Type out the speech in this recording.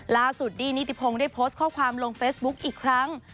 ดี้นิติพงศ์ได้โพสต์ข้อความลงเฟซบุ๊คอีกครั้ง